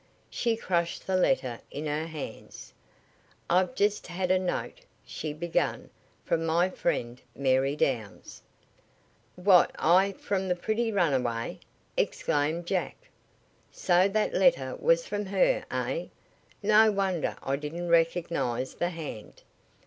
She crushed the letter in her hands. "I've just had a note," she began, "from my friend Mary Downs." "What I From the pretty runaway?" exclaimed Jack. "So that letter was from her, eh? No wonder I didn't recognize the hand."